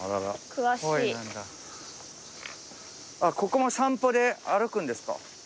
あっここも散歩で歩くんですか？